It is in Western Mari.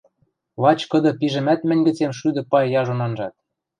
Лач кыды пижӹмӓт мӹнь гӹцем шӱдӹ пай яжон анжат...